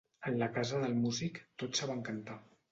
En la casa del músic tots saben cantar.